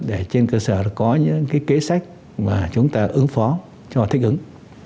để trên cơ sở là có những cái kế sách mà chúng ta ứng phó cho thích ứng